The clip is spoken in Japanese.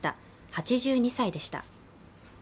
８２歳でした。